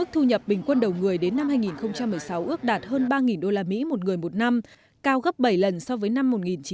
thu nhập bình quân đầu người đến năm hai nghìn một mươi sáu ước đạt hơn ba usd một người một năm cao gấp bảy lần so với năm một nghìn chín trăm bảy mươi